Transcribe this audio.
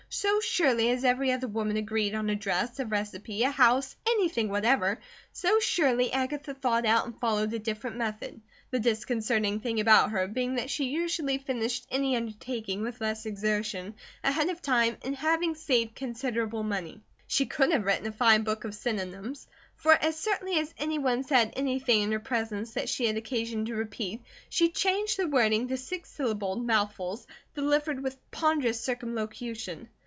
So surely as every other woman agreed on a dress, a recipe, a house, anything whatever, so surely Agatha thought out and followed a different method, the disconcerting thing about her being that she usually finished any undertaking with less exertion, ahead of time, and having saved considerable money. She could have written a fine book of synonyms, for as certainly as any one said anything in her presence that she had occasion to repeat, she changed the wording to six syllabled mouthfuls, delivered with ponderous circumlocution.